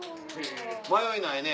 迷いないね。